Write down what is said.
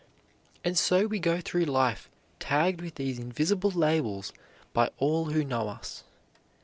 And so we go through life, tagged with these invisible labels by all who know us.